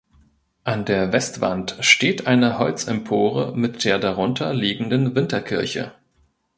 An der Westwand steht eine Holzempore mit der darunter liegenden Winterkirche.